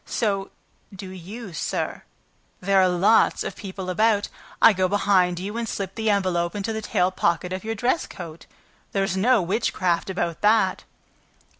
So do you, sir ... There are lots of people about ... I go behind you and slip the envelope into the tail pocket of your dress coat ... There's no witchcraft about that!"